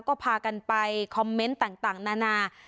ก็พากันไปคอมเมนต์ต่างนานา